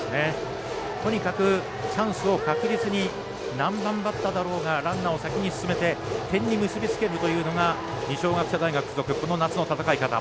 とにかくチャンスを確実に何番バッターだろうがランナーを先に進めて点に結びつけるというのが二松学舎大付属、この夏の戦い方。